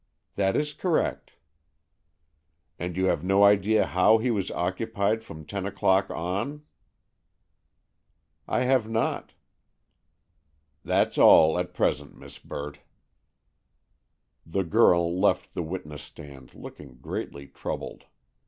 "That is correct." "And you have no idea how he was occupied from ten o'clock, on?" "I have not." "That's all at present, Miss Burt." The girl left the witness stand looking greatly troubled.